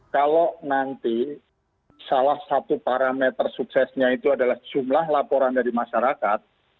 kalau nanti salah satu parameter suksesnya itu adalah jumlah laporan dari masyarakat